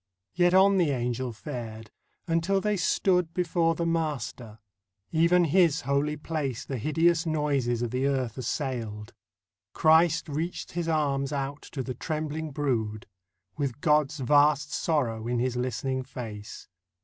Yet on the Angel fared, until they stood Before the Master. (Even His holy place The hideous noises of the earth assailed.) Christ reached His arms out to the trembling brood, With God's vast sorrow in His listening face.